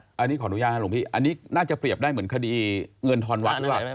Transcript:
อันนี้ขออนุญาตครับหลวงพี่อันนี้น่าจะเปรียบได้เหมือนคดีเงินทอนวัดหรือเปล่า